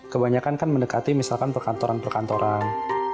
kebanyakan kan mendekati misalkan perkantoran perkantoran